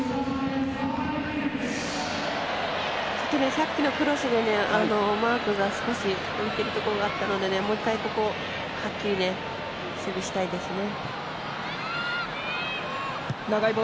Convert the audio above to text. さっきのクロスでマークが少し浮いてるところがあったのでもう一回、はっきり守備したいですね。